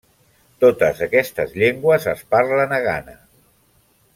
Totes aquestes llengües es parlen a Ghana.